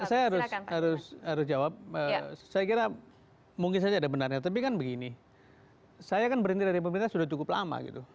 saya harus jawab saya kira mungkin saja ada benarnya tapi kan begini saya kan berhenti dari pemerintah sudah cukup lama gitu